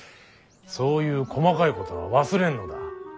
そういう細かいことは忘れんのだ。